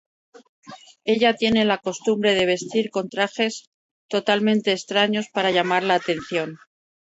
Ella tiene la costumbre de vestir con trajes totalmente extraños para llamar la atención.